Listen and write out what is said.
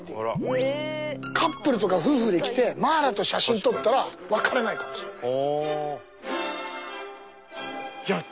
カップルとか夫婦で来てマーラと写真撮ったら別れないかもしれない。